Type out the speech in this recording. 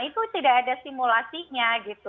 itu tidak ada simulasinya